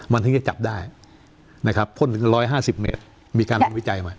มันถึงจะจับได้นะครับพ่นถึง๑๕๐เมตรมีการทำวิจัยใหม่